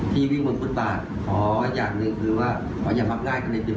ที่วิ่งบนพุทธปากขออย่างหนึ่งคือว่าอย่าพักง่ายกันในติดปาก